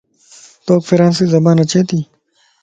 توک فرانسي زبان اچي تي؟